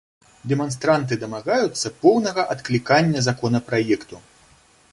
Дэманстранты дамагаюцца поўнага адклікання законапраекту.